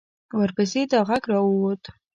ورپسې دا غږ را ووت.